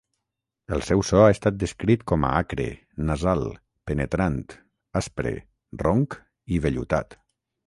El seu so ha estat descrit com a acre, nasal, penetrant, aspre, ronc i vellutat.